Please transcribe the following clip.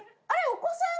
お子さんが。